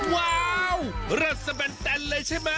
ว้าวเริ่มแสบนแต่นเลยใช่มั้ย